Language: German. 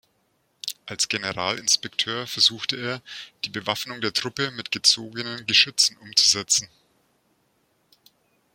Als Generalinspekteur versuchte er, die Bewaffnung der Truppe mit gezogenen Geschützen umzusetzen.